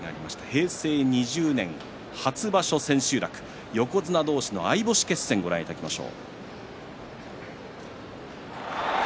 平成２０年初場所千秋楽横綱同士の相星決戦ご覧いただきます。